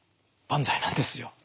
万歳なんですよ。